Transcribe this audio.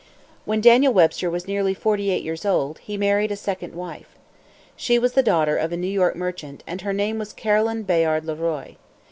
When Daniel Webster was nearly forty eight years old, he married a second wife. She was the daughter of a New York merchant, and her name was Caroline Bayard Le Roy.